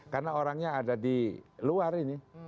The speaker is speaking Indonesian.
karena orangnya ada di luar ini